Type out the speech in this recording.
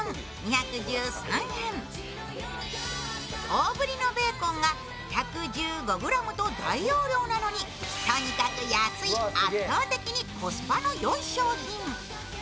大ぶりのベーコンが１１５ｇと大容量なのにとにかく安い、圧倒的にコスパのよい商品。